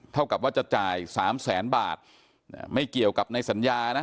เท่ากับว่าจะจ่ายสามแสนบาทไม่เกี่ยวกับในสัญญานะ